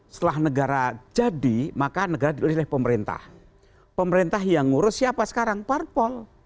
setelah negara jadi maka negara dipilih oleh pemerintah pemerintah yang ngurus siapa sekarang parpol